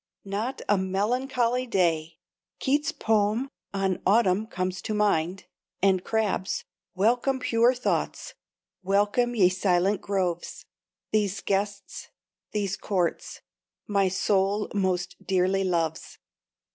Not a "melancholy" day. Keats' poem on Autumn comes to mind; and Crabbe's "Welcome pure thoughts, welcome, ye silent groves; These guests, these courts, my soul most dearly loves."